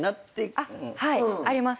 はいあります。